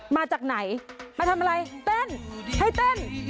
มาจากไหนมาทำอะไรเต้นให้เต้น